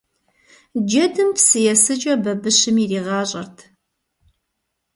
Джэдым псы есыкӀэ бабыщым иригъащӀэрт.